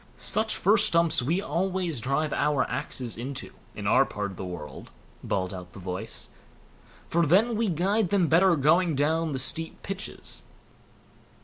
"Such fir stumps we always drive our axes into, in our part of the world", bawled out the voice; "for then we guide them better going down the steep pitches."